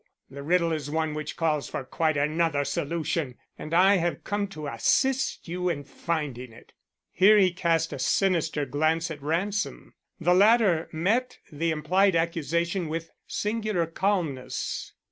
The riddle is one which calls for quite another solution and I have come to assist you in finding it." Here he cast a sinister glance at Ransom. The latter met the implied accusation with singular calmness.